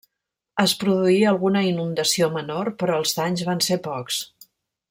Es produí alguna inundació menor, però els danys van ser pocs.